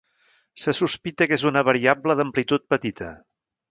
Se sospita que és una variable d'amplitud petita.